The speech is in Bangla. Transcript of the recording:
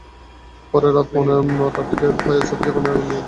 পরে রাত পৌনে নয়টার দিকে ফায়ার সার্ভিসের কর্মীরা আগুন নিয়ন্ত্রণে আনেন।